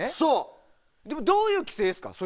どういう規制ですか？